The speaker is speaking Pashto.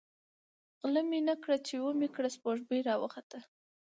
ـ غله مې نه کړه ،چې ومې کړه سپوږمۍ راوخته.